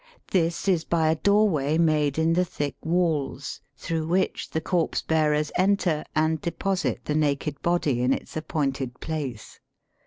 This is hy a doorway made in the thick walls, through which the corpse bearers enter and deposit the naked body in its appointed place.